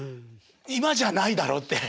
「今じゃないだろ」って。